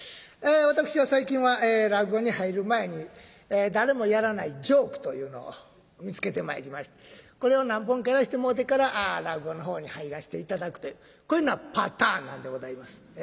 私は最近は落語に入る前に誰もやらないジョークというのを見つけてまいりましてこれを何本かやらしてもうてから落語の方に入らして頂くというこういうようなパターンなんでございます。